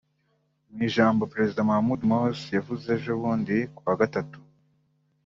Mu ijambo Perezida Mohammad Morsi yavuze ejobundi ku wa gatatu